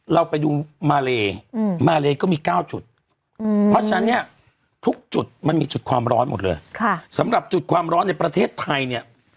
เราไปดูมาเลมาเลก็มี๙จุดเพราะฉะนั้นเนี่ยทุกจุดมันมีจุดความร้อนหมดเลย